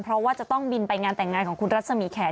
เพราะว่าจะต้องบินไปงานแต่งงานของคุณรัศมีแขก